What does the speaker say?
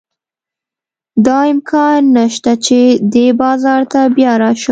دا امکان نه شته چې دې بازار ته بیا راشم.